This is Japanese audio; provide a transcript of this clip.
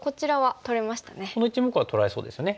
この１目は取られそうですよね。